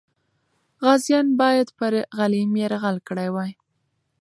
غازیان باید پر غلیم یرغل کړی وای.